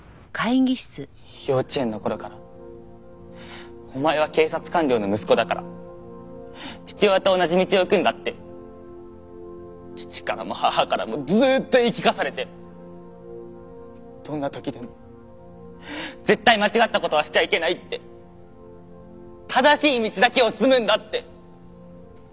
幼稚園の頃からお前は警察官僚の息子だから父親と同じ道を行くんだって父からも母からもずーっと言い聞かされてどんな時でも絶対間違った事はしちゃいけないって正しい道だけを進むんだって。